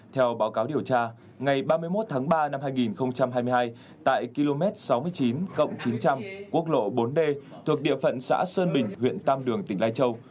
theo báo cáo điều tra ngày ba mươi một tháng ba năm hai nghìn hai mươi hai tại km sáu mươi chín chín trăm linh quốc lộ bốn d thuộc địa phận xã sơn bình huyện tam đường tỉnh lai châu